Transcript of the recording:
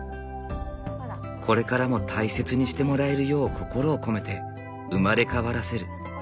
これからも大切にしてもらえるよう心を込めて生まれ変わらせる。